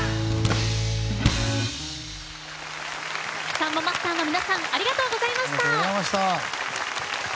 サンボマスターの皆さんありがとうございました。